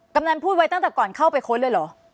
กำนันพูดไว้ตั้งแต่ก่อนเข้าไปค้นเลยเหรอ